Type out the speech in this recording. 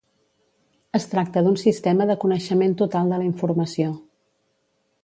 Es tracta d'un sistema de coneixement total de la informació.